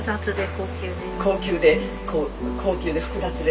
高級で高級で複雑で。